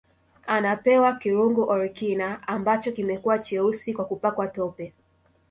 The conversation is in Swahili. Anapewa kirungu Orikna ambacho kimekuwa cheusi kwa kupakwa tope